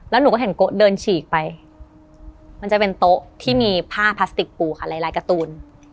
แล้วหนูก็เห็นโก๊เดินฉีกไปมันจะเป็นโต๊ะที่มีผ้าพลาสติกปูค่ะหลายการ์ตูน